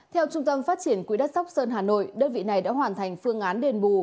theo trung tâm phát triển quỹ đất sóc sơn hà nội đơn vị này đã hoàn thành phương án đền bù